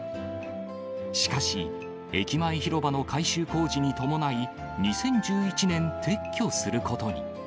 しかし、駅前広場の改修工事に伴い、２０１１年、撤去することに。